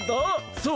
そう。